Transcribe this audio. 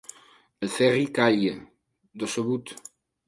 El Ferri calla, decebut.